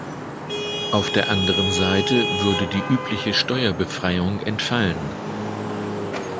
Auf der anderen Seite würde die übliche Steuerbefreiung entfallen.